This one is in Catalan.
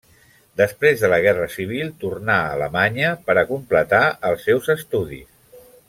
Després de la Guerra Civil, tornà a Alemanya, per a completar els seus estudis.